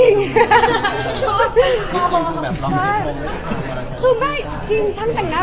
พอเสร็จจากเล็กคาเป็ดก็จะมีเยอะแยะมากมาย